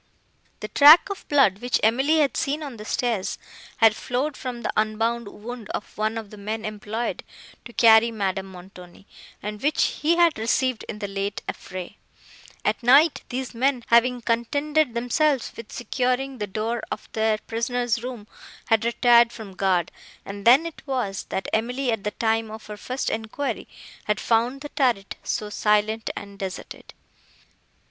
The track of blood, which Emily had seen on the stairs, had flowed from the unbound wound of one of the men employed to carry Madame Montoni, and which he had received in the late affray. At night these men, having contented themselves with securing the door of their prisoner's room, had retired from guard; and then it was, that Emily, at the time of her first enquiry, had found the turret so silent and deserted.